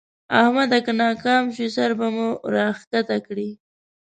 احمده! که ناکام شوې؛ سر به مو راکښته کړې.